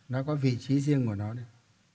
nó có vị trí riêng của nó đấy